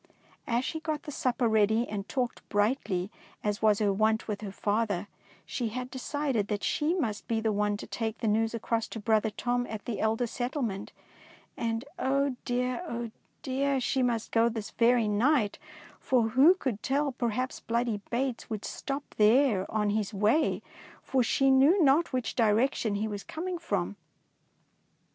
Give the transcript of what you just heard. As she got the sup per ready, and talked brightly as was her wont with her father, she had de cided that she must be the one to take the news across to brother Tom at the Elder Settlement ; and oh dear, oh dear, she must go that very night, for who could tell, perhaps " Bloody Bates" would stop there on his way, for she knew not which direction he was com ing from.